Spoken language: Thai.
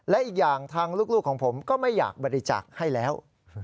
และอีกอย่างทางลูกของผมก็ไม่อยากบริจาคให้แล้ว